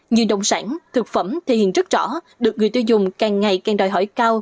như đồng sản thực phẩm thể hiện rất rõ được người tiêu dùng càng ngày càng đòi hỏi cao